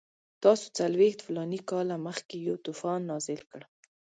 تاسو څلوېښت فلاني کاله مخکې یو طوفان نازل کړ.